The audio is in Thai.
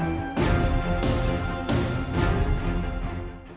โรคทีนี้รักษาไม่ได้โรคพวกนี้